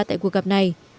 tại cuộc gặp này